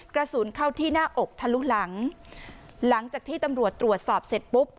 กระสุนเข้าที่หน้าอกทะลุหลังหลังจากที่ตำรวจตรวจสอบเสร็จปุ๊บ